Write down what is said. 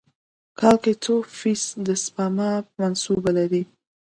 کال کې څو فیص ده د سپما منصوبه لرئ؟